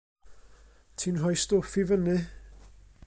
Ti'n rhoi stwff i fyny.